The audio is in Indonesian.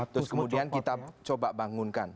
terus kemudian kita coba bangunkan